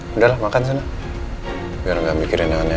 makanya makan tuh jangan sambil ketawa ketawa